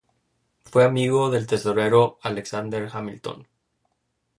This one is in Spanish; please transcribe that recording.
Fue amigo del tesorero Alexander Hamilton.